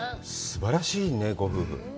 すばらしいね、ご夫婦。